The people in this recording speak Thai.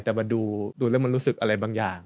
แต่มันดูแล้วเราก็รู้สึกว่ามันอะไรบางอย่าง